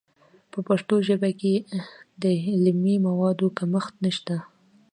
په پښتو ژبه کې د علمي موادو کمښت نشته.